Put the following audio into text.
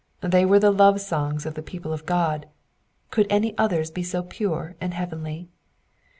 They were the love songs of the people of God ; could any others be so pure and heavenly